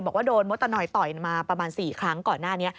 บอกว่าโดนมดตะนอยต่อยมาประมาณ๔ครั้งก่อนหน้านี้